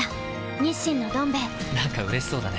「日清のどん兵衛」なんかうれしそうだね。